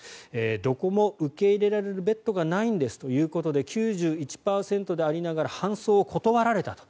どこも受け入れられるベッドがないんですということで９１％でありながら搬送を断られたと。